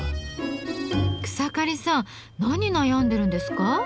草刈さん何悩んでるんですか？